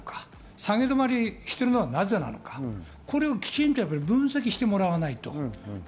下げ止まりしているのはなぜなのかこれをきちんと分析してもらわないと。